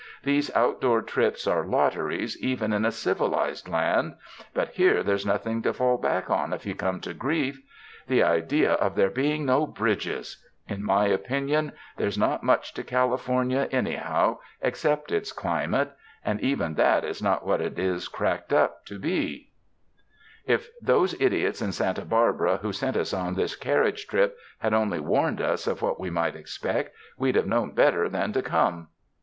These outdoor trips are lotteries even in a civilized land, but here there's nothing to fall back on if you come to grief. The idea of there being no bridges ! In my opinion, there's not much to California anyhow except its climate and even that is not what it is cracked up 114 SPRING DAYS IN A CARRIAGE to bo. If those idiots in Santa Barbara who sent us on this carriage trip, had only warned us of what we might expect, we'd have known better than to come."